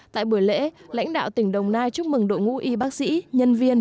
tại buổi lễ lãnh đạo tỉnh đồng nai chúc mừng đội ngũ y bác sĩ nhân viên